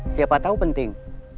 siapa tahu penting